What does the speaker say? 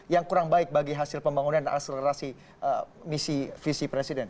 yang kurang baik bagi hasil pembangunan dan akselerasi misi visi presiden